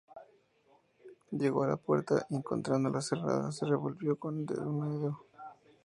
llegó a la puerta, y encontrándola cerrada, se revolvió con denuedo.